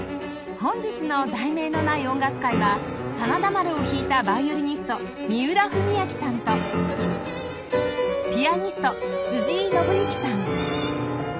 本日の『題名のない音楽会』は『真田丸』を弾いたヴァイオリニスト三浦文彰さんとピアニスト辻井伸行さん